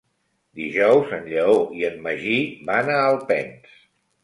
Dijous en Lleó i en Magí van a Alpens.